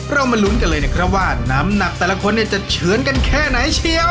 มาลุ้นกันเลยนะครับว่าน้ำหนักแต่ละคนเนี่ยจะเฉือนกันแค่ไหนเชียว